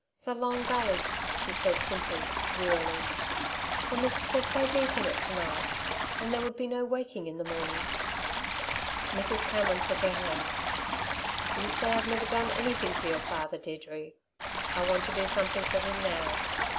"The Long Gully," she said simply, wearily, "the mists are so deep in it to night, and there would be no waking in the morning." Mrs. Cameron took her hand. "You say I've never done anything for your father, Deirdre. I want to do something for him now.